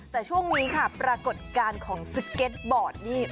แต่ช่วงนี้ค่ะปรากฏการณ์ของสเก็ตบอร์ดนี่